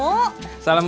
eh ada tamu